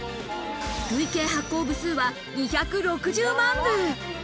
累計発行部数は２６０万部。